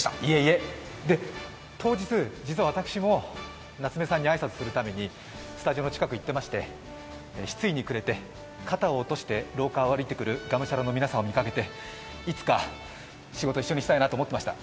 当日、実は私も夏目さんに挨拶するためにスタジオの近くに行っていまして失意にくれて肩を落として廊下を歩いてくる我武者羅の皆さんを見かけて、いつか仕事を一緒にしたいと思っていました。